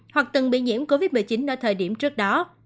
hoặc từng bị nhiễm covid một mươi chín ở thời điểm trước đó